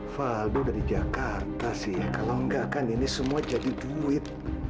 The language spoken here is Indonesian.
fado dari jakarta sih ya kalau nggak kan ini semua jadi duit